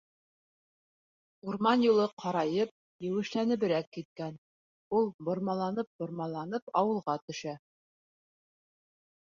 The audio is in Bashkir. Урман юлы ҡарайып, еүешләнеберәк киткән; ул бормаланып-бормаланып ауылға төшә.